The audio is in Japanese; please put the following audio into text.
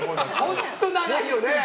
本当長いよね！